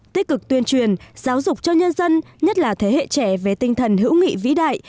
tích cực tuyên truyền giáo dục cho nhân dân nhất là thế hệ trẻ về tinh thần hữu nghị vĩ đại